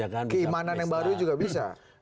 keimanan yang baru juga bisa